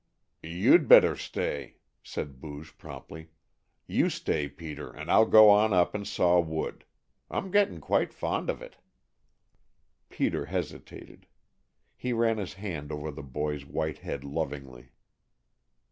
"You'd better stay," said Booge promptly. "You stay, Peter, and I'll go on up and saw wood. I'm gettin' quite fond of it." Peter hesitated. He ran his hand over the boy's white head lovingly.